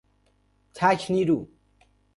تک نیرو